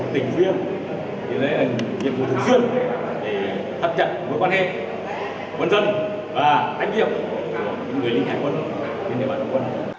dưỡng nghiệp chỉ trên địa bàn sản phố và các sản khác